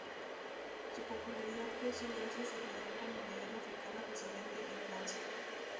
Su popularidad creció gracias a la gran comunidad africana residente en Francia.